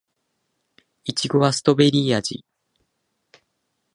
いちごはストベリー味